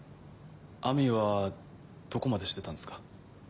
亜美はどこまで知ってたんですか？